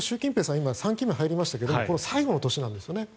今、３期目に入りましたが最後の年なんですね。